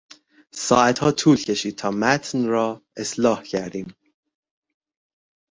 ساعتها طول کشید تا متن را اصلاح کردیم.